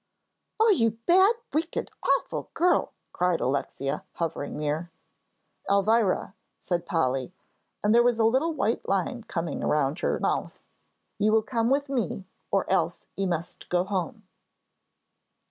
"Oh, you bad, wicked, awful girl!" cried Alexia, hovering near. "Elvira," said Polly, and there was a little white line coming around her mouth, "you will come with me, or else you must go home."